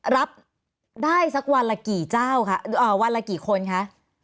รับได้สักวันละกี่คนคะ